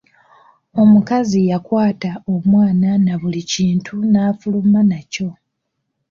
Omukazi yakwata omwana na buli kintu nafuluma nakyo.